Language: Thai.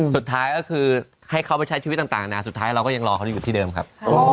สุดท้ายก็คือให้เขาไปใช้ชีวิตต่างนานาสุดท้ายเราก็ยังรอเขาอยู่ที่เดิมครับ